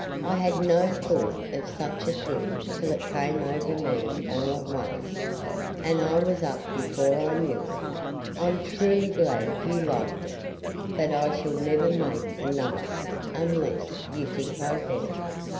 I had no thought of such a thing till it came over me all at once, and I was up before I knew it. I'm truly glad you liked it, but I shall never make another, unless you think I'd better.